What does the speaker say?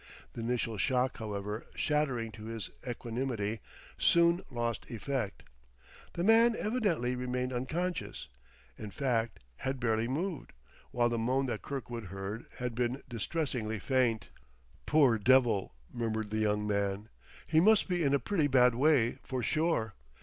The initial shock, however shattering to his equanimity, soon, lost effect. The man evidently remained unconscious, in fact had barely moved; while the moan that Kirkwood heard, had been distressingly faint. "Poor devil!" murmured the young man. "He must be in a pretty bad way, for sure!"